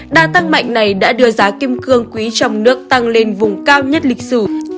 đa tăng mạnh này đã đưa giá kim cương quý trong nước tăng lên vùng cao nhất lịch sử